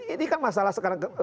ini kan masalah sekarang